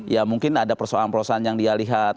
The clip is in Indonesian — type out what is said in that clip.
ya mungkin ada persoalan persoalan yang dia lihat